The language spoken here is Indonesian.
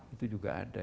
itu juga ada